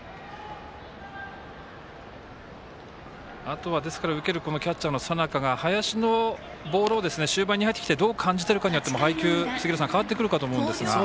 あとは受けるキャッチャーの佐仲が林のボールを終盤に入ってきてどう感じているかによっても配球、変わってくるかと思うんですが。